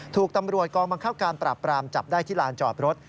ถูกตำรวจกองบังคับการปราบปรามจับได้ที่ลานจอดรถ